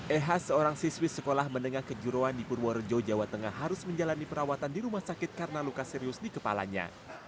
eha seorang siswi sekolah menengah kejuruan di purworejo jawa tengah harus menjalani perawatan di rumah sakit karena luka serius di kepalanya